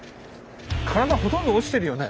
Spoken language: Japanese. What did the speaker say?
体ほとんど落ちてるよね？